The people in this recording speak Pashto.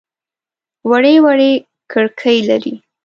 وړې وړې کړکۍ لري.